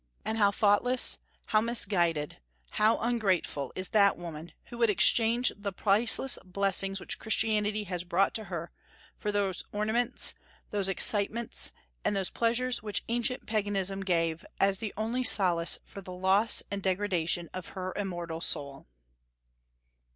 And how thoughtless, how misguided, how ungrateful is that woman who would exchange the priceless blessings which Christianity has brought to her for those ornaments, those excitements, and those pleasures which ancient Paganism gave as the only solace fox the loss and degradation of her immortal soul!